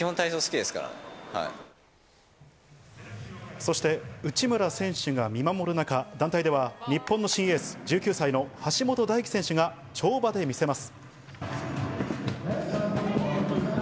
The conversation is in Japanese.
そして内村選手が見守る中、団体では日本の新エース、１９歳の橋本大輝選手が跳馬で見せます。